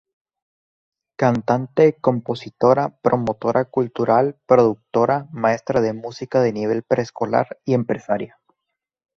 Cantante, compositora, promotora cultural, productora, maestra de música de nivel preescolar y empresaria.